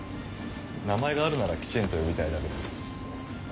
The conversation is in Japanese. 名前があるならきちんと呼びたいだけです。